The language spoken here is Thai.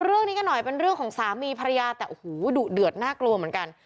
เรื่องนี้กันหน่อยเป็นเรื่องของสามีภรรยาแต่โอ้โหดุเดือดน่ากลัวเหมือนกัน